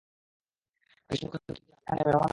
কৃষ্ণকান্ত জি আমরা এখানে মেহমান হয়ে আসিনি।